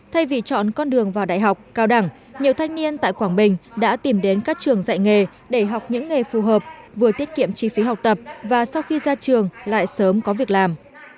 thay vì chọn con đường vào đại học cao đẳng nhiều thanh niên tại quảng bình đã tìm đến các trường dạy nghề để học những nghề phù hợp vừa tiết kiệm chi phí học tập và sau khi ra trường lại sớm có việc làm